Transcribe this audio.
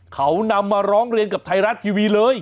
เขานำมาร้องเรียนกับไทยรัฐทีวีเลย